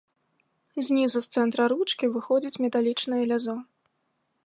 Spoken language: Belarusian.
Знізу з цэнтра ручкі выходзіць металічнае лязо.